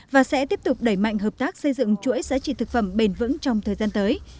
và sẽ tiếp tục đẩy mạnh hợp tác xây dựng chuỗi giá trị thực phẩm bền vững trong thời gian tới